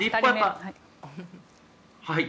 はい。